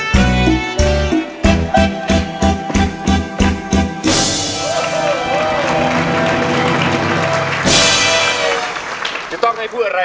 ถ้าคุณหนุ่ยพร้อมแล้วมาพบกับเพลงที่๒นะครับ